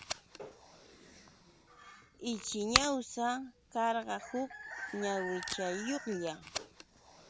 Ichi ñawsa karqa huk ñawichayuqlla.